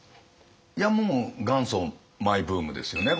いやもう元祖マイブームですよね